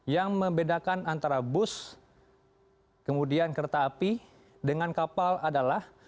yang membedakan antara bus kemudian kereta api dengan kapal adalah